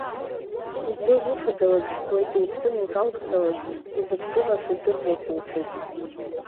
Лгәы ануфаӡалак, уаргьы уԥсы ануҿалҵаӡалак, узықәгәыӷша дыррак улҭоит.